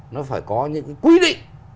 nó phải có những quy định